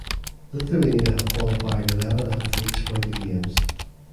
Lithuania have qualified eleven athletes for the Games.